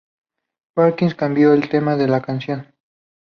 Perkins cambio el tema de la canción.